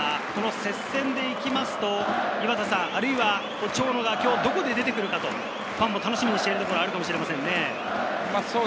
接戦でいきますと、長野がどこで出てくるかファンも楽しみにしているところがあるかもしれませんね。